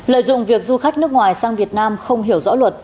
lợi dụng việc du khách nước ngoài sang việt nam không hiểu rõ luật